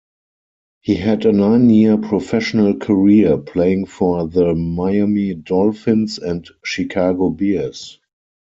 He had a nine-year professional career, playing for the Miami Dolphins and Chicago Bears.